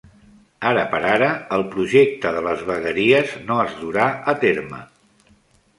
Ara per ara el projecte de les vegueries no es durà a terme.